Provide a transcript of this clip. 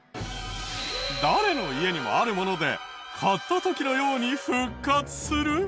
誰の家にもあるもので買った時のように復活する？